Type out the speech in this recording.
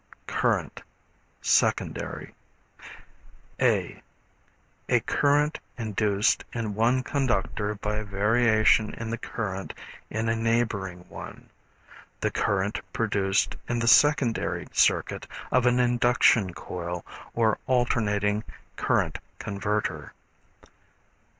Current, Secondary. (a) A current induced in one conductor by a variation in the current in a neighboring one; the current produced in the secondary circuit of an induction coil or alternating current converter.